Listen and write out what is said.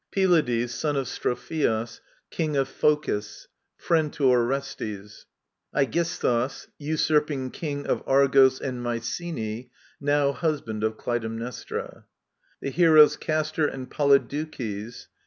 Pyladbs, son ofStrophios, King of Phocis ; friend to Orestes. Abgisthus, usurping King of Argos and Mycenae^ now husband • ofCfytemtiestra. The Heroes Castor and Polydbuces.